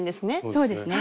そうですね